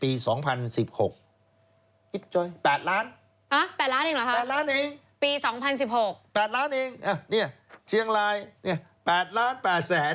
ปี๒๐๑๖๘ล้านเองเนี่ยเชียงราย๘ล้าน๘แสน